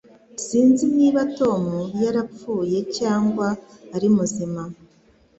Sinzi niba Tom yarapfuye cyangwa ari muzima